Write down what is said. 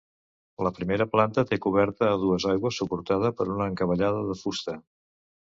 La primera planta té coberta a dues aigües suportada per una encavallada de fusta.